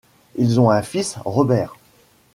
Ils ont un fils, Robert.